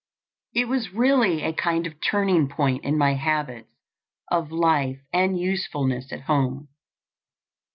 It was really a kind of turning point in my habits of life and usefulness at home.